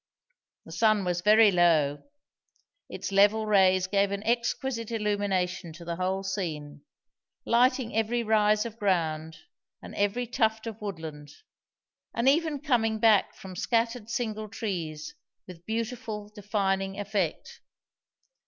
The sun was very low; its level rays gave an exquisite illumination to the whole scene, lighting every rise of ground and every tuft of woodland, and even coming back from scattered single trees with beautiful defining effect.